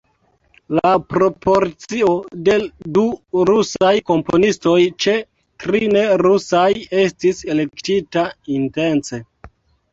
La proporcio de du rusaj komponistoj ĉe tri ne-rusaj estis elektita intence.